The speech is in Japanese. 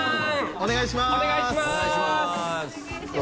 お願いします。